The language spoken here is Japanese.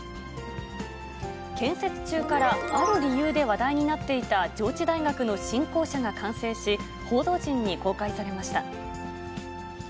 建設中からある理由で話題になっていた上智大学の新校舎が完成し、報道陣に公開されました。